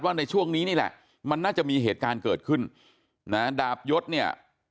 ในช่วงนี้นี่แหละมันน่าจะมีเหตุการณ์เกิดขึ้นนะดาบยศเนี่ย